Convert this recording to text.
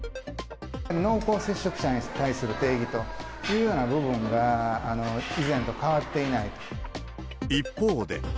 濃厚接触者に対する定義というような部分が以前と変わってい一方で。